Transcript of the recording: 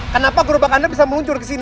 kenapa gerobak anda bisa meluncur ke sini